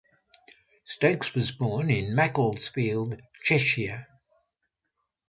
Stokes was born in Macclesfield, Cheshire.